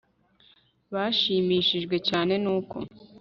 bashimishijwe cyane n uko